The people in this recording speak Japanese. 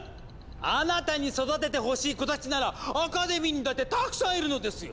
あなたに育ててほしい子たちならアカデミーにだってたくさんいるのですよ！